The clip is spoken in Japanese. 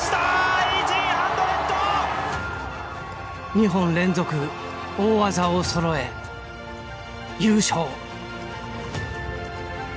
２本連続大技をそろえ優勝。